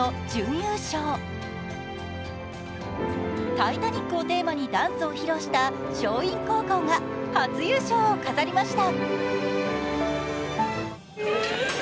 「タイタニック」をテーマにダンスを披露した樟蔭高校が初優勝を飾りました。